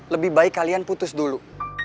lebih baik kalian putus dulu